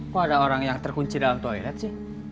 kok ada orang yang terkunci dalam toilet sih